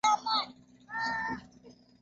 Karani wa koti ni yupi?